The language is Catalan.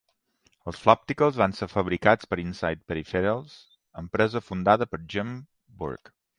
Els Flopticals van ser fabricats per Insite Peripherals, empresa fundada per Jim Burke.